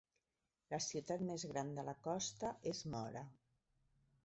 La ciutat més gran de la costa és Mora.